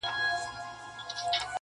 خو بيا هم پوښتني بې ځوابه پاتې کيږي تل-